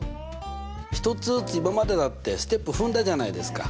一つずつ今までだってステップ踏んだじゃないですか。